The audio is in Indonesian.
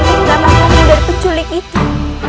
mengelamati diri dari penculik itu